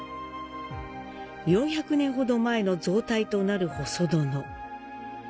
４００年ほど前の造替となる細殿。